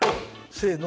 せの！